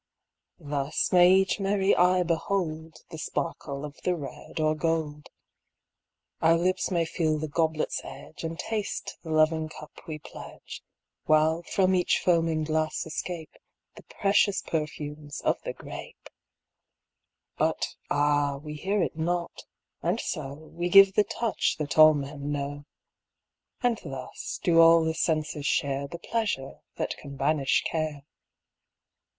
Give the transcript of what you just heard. Thus may each merry eye behold The sparkle of the red or gold. Our lips may feel the goblet's edge And taste the loving cup we pledge. While from each foaming glass escape The precious perfumes of the grape. But ah, we hear it not, and so We give the touch that all men know. And thus do all the senses share The pleasure that can banish care.